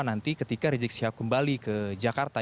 nanti ketika rizik syihab kembali ke jakarta